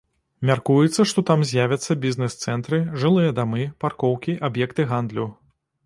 Мяркуецца, што там з'явяцца бізнес-цэнтры, жылыя дамы, паркоўкі, аб'екты гандлю.